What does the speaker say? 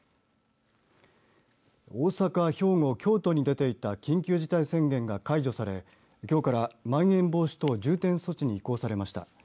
大阪、兵庫、京都に出ていた緊急事態宣言が解除されきょうからまん延防止等重点措置に移行されました。